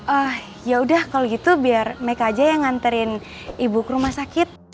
ah yaudah kalau gitu biar mereka aja yang nganterin ibu ke rumah sakit